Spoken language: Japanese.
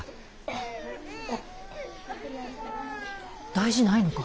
大事ないのか。